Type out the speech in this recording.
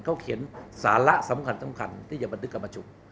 เขาเขียนสาระสำคัญที่จะบันทึกการประชุม